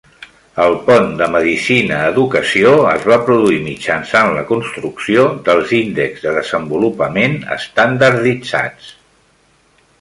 El pont de medicina a educació es va produir mitjançant la construcció dels índexs de desenvolupament estandarditzats.